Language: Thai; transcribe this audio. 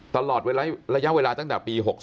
ตลอดระยะเวลาตั้งแต่ปี๖๓